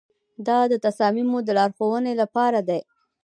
دا د تصامیمو د لارښوونې لپاره دی.